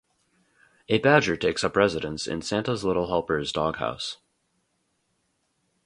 A badger takes up residence in Santa's Little Helper's doghouse.